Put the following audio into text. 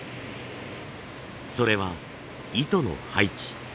それは糸の配置。